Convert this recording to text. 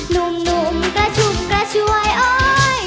หนุ่มหนุ่มกระชุ่มกระช่วยโอ๊ย